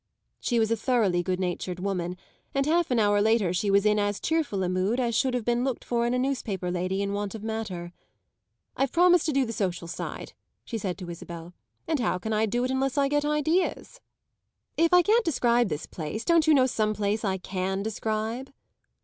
she was a thoroughly good natured woman, and half an hour later she was in as cheerful a mood as should have been looked for in a newspaper lady in want of matter. "I've promised to do the social side," she said to Isabel; "and how can I do it unless I get ideas? If I can't describe this place don't you know some place I can describe?"